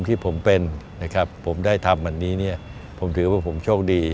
ที่ผมเป็นนะครับผมได้ทำอันนี้เนี่ยผมถือว่าผมโชคดี